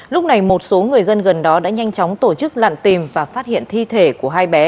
lúc này một số người dân gần đó đã nhanh chóng tổ chức lặn tìm và phát hiện thi thể của hai bé